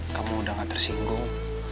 kamu udah gak tersinggung